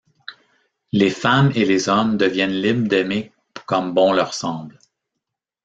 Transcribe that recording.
Les femmes et les hommes deviennent libres d'aimer comme bon leur semble.